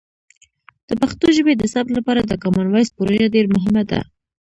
د پښتو ژبې د ثبت لپاره د کامن وایس پروژه ډیر مهمه ده.